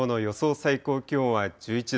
最高気温は１１度。